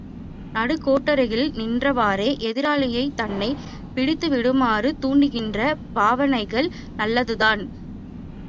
நடுக்கோட்டருகில் நின்றவாறே, எதிராளியைத் தன்னைப் பிடித்து விடுமாறு தூண்டுகின்ற பாவனைகள் நல்லதுதான்.